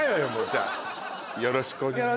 よろしくお願いします